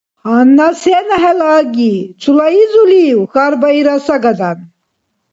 «Гьанна сена хӀела аги, цула изулив»? – хьарбаира сагадан.